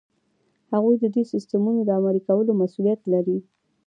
هغوی ددې سیسټمونو د عملي کولو مسؤلیت لري.